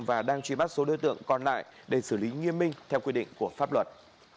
và đang truy bắt số đối tượng còn lại để xử lý nghiêm minh theo quy định của pháp luật